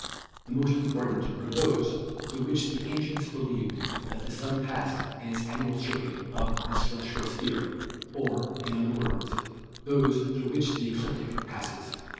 The most important are those through which the ancients believed that the Sun passed in its annual circuit of the celestial sphere, or, in other words, those through which the ecliptic passes.